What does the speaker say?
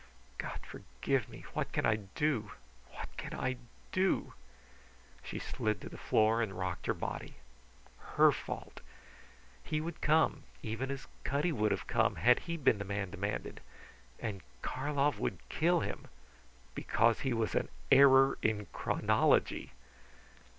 "God forgive me! What can I do? What can I do?" She slid to the floor and rocked her body. Her fault! He would come even as Cutty would have come had he been the man demanded. And Karlov would kill him because he was an error in chronology!